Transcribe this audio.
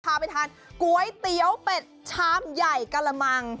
พาไปทานก๋วยเตี๋ยวเป็ดชามใหญ่กะละมัง